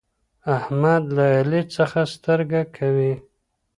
احمد له علي څخه سترګه کوي.